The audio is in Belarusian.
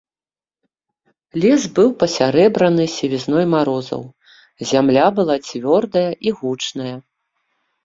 Лес быў пасярэбраны сівізной марозаў, зямля была цвёрдая і гучная.